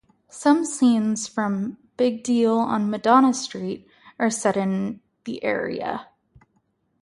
Some scenes from "Big Deal on Madonna Street" are set in the area.